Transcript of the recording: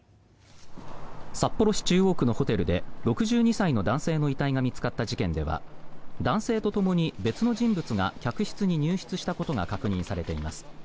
札幌市中央区のホテルで６２歳の男性の遺体が見つかった事件では男性とともに別の人物が客室に入室したことが確認されています。